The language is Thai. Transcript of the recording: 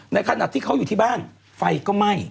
ขณะที่เขาอยู่ที่บ้านไฟก็ไหม้